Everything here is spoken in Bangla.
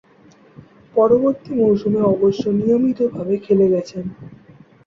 পরবর্তী মৌসুমে অবশ্য নিয়মিতভাবে খেলে গেছেন।